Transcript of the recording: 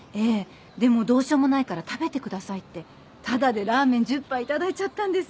でもどうしようもないから食べてくださいってタダでラーメン１０杯頂いちゃったんです。